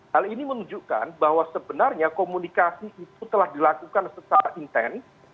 hal ini menunjukkan bahwa sebenarnya komunikasi itu telah dilakukan secara intens